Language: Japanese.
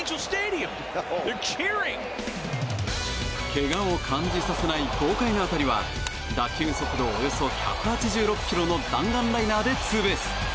けがを感じさせない豪快な当たりは打球速度およそ１８６キロの弾丸ライナーでツーベース。